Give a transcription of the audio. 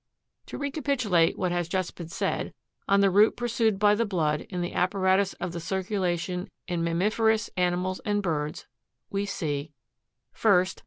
To recapitulate what has just been said, on the route pursued by the blood, in the apparatus of the circulation in mammiferous animals and birds, we see : 41. 1st.